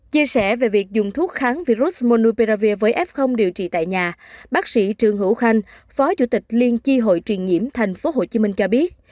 chia sẻ về việc dùng thuốc kháng virus monuperavir với f điều trị tại nhà bác sĩ trương hữu khanh phó chủ tịch liên tri hội truyền nhiễm tp hcm cho biết